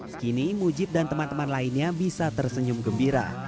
skini mujib dan teman teman lainnya bisa tersenyum gembira